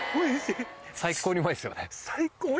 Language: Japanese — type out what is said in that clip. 最高にうまいですよね。